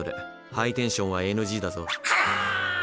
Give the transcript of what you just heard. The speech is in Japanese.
ハイテンションはＮＧだぞ。